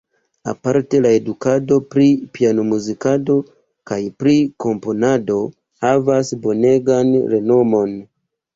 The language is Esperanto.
Aparte la edukado pri piano-muzikado kaj pri komponado havas bonegan renomon.